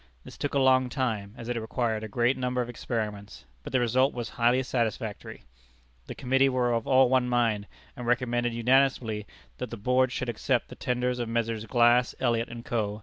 This took a long time, as it required a great number of experiments; but the result was highly satisfactory. The Committee were all of one mind, and recommended unanimously that the Board should accept the tender of Messrs. Glass, Elliot & Co.